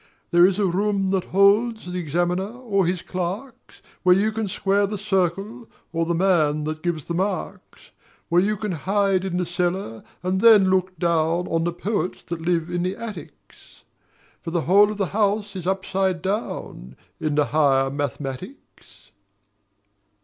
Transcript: There is a room that holds The examiner or his clerks, Where you can square the circle or the man that gives the marks. Where you hide in the cellar and then look down On the poets that live in the attics; For the whole of the house is upside down In the Higher Mathematics.